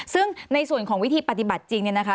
ซึ่งในส่วนของวิธีปฏิบัติจริง